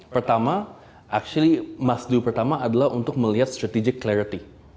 pertama actually must do pertama adalah untuk melihat strategic clarity